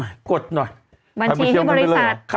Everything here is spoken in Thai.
บัญชีที่บริษัท